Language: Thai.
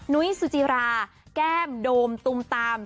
นุ้ยสุจิราแก้มโดมตุมตาม